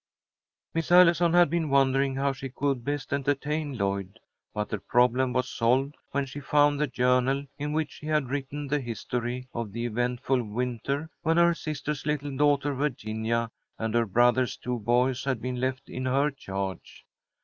Miss Allison had been wondering how she could best entertain Lloyd, but the problem was solved when she found the journal, in which she had written the history of the eventful winter when her sister's little daughter Virginia and her brother's two boys had been left in her charge.